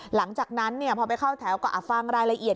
หลังจากนั้นพอไปเข้าแถวก็ฟังรายละเอียด